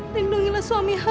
lindungilah suami hamba ya allah